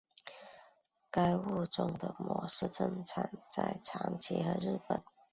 该物种的模式产地在长崎和日本。